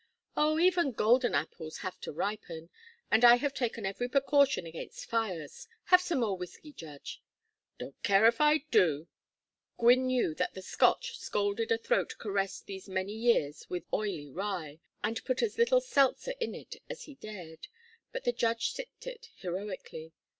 "Oh, even golden apples have to ripen. And I have taken every precaution against fires. Have some more whiskey, Judge." "Don't care if I do." Gwynne knew that the Scotch scalded a throat caressed these many years with the oily rye, and put as little seltzer in it as he dared. But the judge sipped it heroically.